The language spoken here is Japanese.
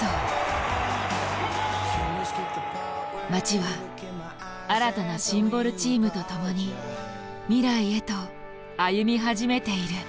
街は新たなシンボルチームと共に未来へと歩み始めている。